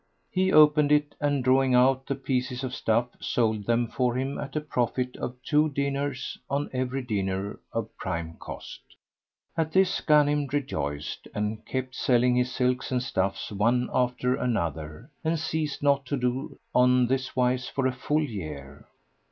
He opened it and drawing out the pieces of stuff, sold them for him at a profit of two dinars on every dinar of prime cost. At this Ghanim rejoiced and kept selling his silks and stuffs one after another, and ceased not to do on this wise for a full year.